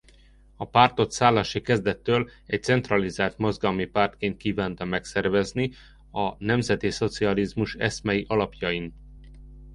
A pártot Szálasi kezdettől egy centralizált mozgalmi pártként kívánta megszervezni a nemzetiszocializmus eszmei alapjain.